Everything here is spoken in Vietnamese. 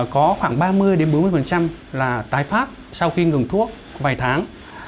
có khoảng ba mươi bốn mươi là tái phát sau khi ngừng thuốc vài tháng